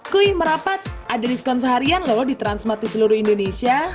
kui merapat ada diskon seharian loh di transmart di seluruh indonesia